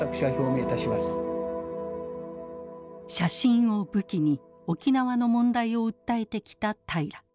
写真を武器に沖縄の問題を訴えてきた平良。